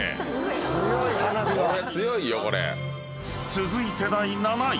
［続いて第７位］